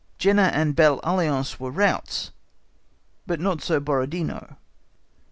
Jena and Belle Alliance were routs, but not so Borodino.